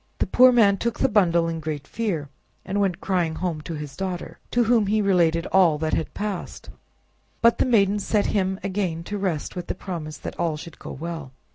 The poor man took the bundle in great fear, and went crying home to his daughter, to whom he related all that had passed. But the maiden sent him again to rest with the promise that all should go well.